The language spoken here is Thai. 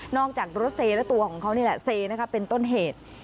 จากรถเซและตัวของเขานี่แหละเซเป็นต้นเหตุ